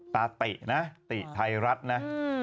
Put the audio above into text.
ตาตินะติไทยรัฐนะ